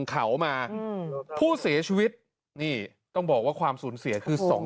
เขามาอืมผู้เสียชีวิตนี่ต้องบอกว่าความสูญเสียคือสอง